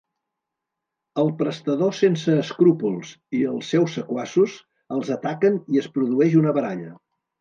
El prestador sense escrúpols i els seus sequaços els ataquen i es produeix una baralla.